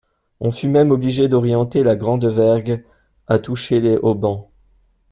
On fut même obligé d’orienter la grande vergue à toucher les haubans.